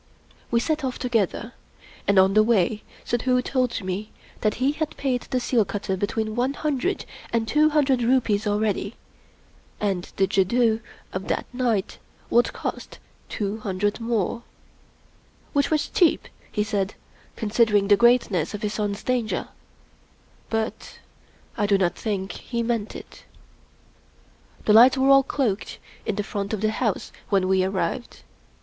We set off together; and on the way Suddhoo told me that he had paid the seal cutter between one hundred and two hun dred rupees already; and the jadoo of that night would cost two hundred more. Which was cheap, he said, consider ing the greatness of his son's danger; but I do not think he meant it. The lights were all cloaked in the front of the house 30 Rudyard Kipling when we arrived.